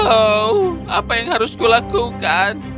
oh apa yang harus kulakukan